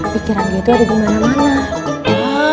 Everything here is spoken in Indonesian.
pikiran dia itu ada dimana mana